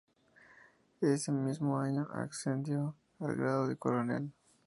Ese mismo año ascendió al grado de coronel.